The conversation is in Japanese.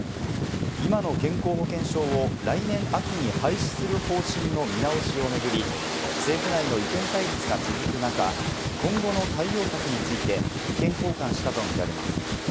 今の健康保険証を来年秋に廃止する方針の見直しを巡り、政府内の意見対立が続く中、今後の対応策について意見交換したとみられます。